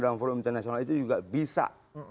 dalam forum internasional itu juga bisa